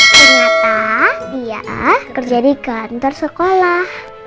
ternyata dia kerja di kantor sekolah